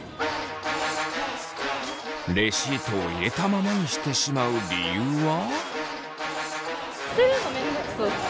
レシートを入れたままにしてしまう理由は。